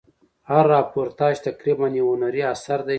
هر راپورتاژ تقریبآ یو هنري اثر دئ.